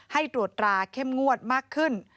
ให้ตรวจราเข้มงวดมากขึ้น